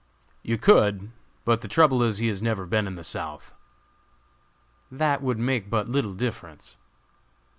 "You could; but the trouble is he has never been in the South." "That would make but little difference."